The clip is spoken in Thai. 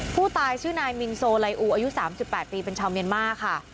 ผู้ตายชื่อนายมินโซไลอูอายุ๓๘ปีเป็นชาวเมียนมาร์ค่ะ